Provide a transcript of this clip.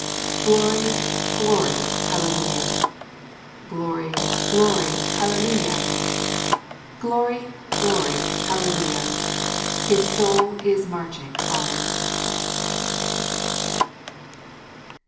Glory, glory, hallelujah! Glory, glory, hallelujah! Glory, glory, hallelujah! His soul is marching on.